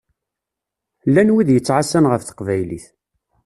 Llan wid yettɛassan ɣef teqbaylit.